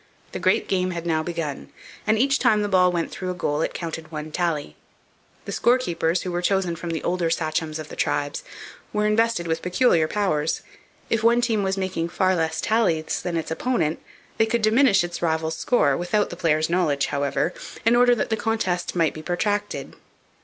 The great game had now begun, and each time the ball went through a goal it counted one tally. The score keepers, who were chosen from the older sachems of the tribes, were invested with peculiar powers. If one team was making far less tallies than its opponent, they could diminish its rival's score (without the players' knowledge, however) in order that the contest might be protracted.